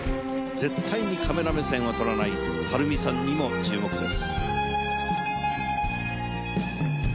絶対にカメラ目線はとらないはるみさんにも注目です。